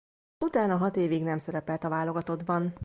Utána hat évig nem szerepelt a válogatottban.